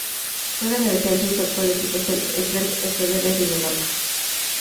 Juega de defensa y su actual equipo es el Esbjerg fB de Dinamarca.